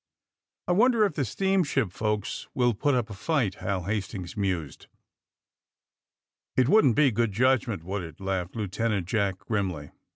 ^^I wonder if the steamshi|) folks will put up a fight?" Hal Hastings mused. It wouldn't be good judgment, would itf" laughed Lieutenant Jack grimly.